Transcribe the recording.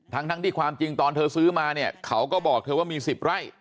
ทั้งที่ความจริงตอนเธอซื้อมาเนี่ยเขาก็บอกเธอว่ามี๑๐ไร่